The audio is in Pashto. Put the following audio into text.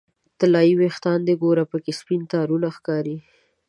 طلایې ویښان دې ګوره پکې سپین تارونه ښکاري